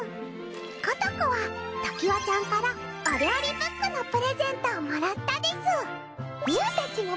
ことこはときわちゃんからお料理ブックのプレゼントをもらったです。